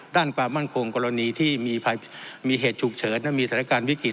ด้านความมั่นคงกรณีที่มีเหตุฉุกเฉินและมีสถานการณ์วิกฤต